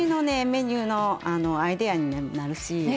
メニューのあのアイデアになるし。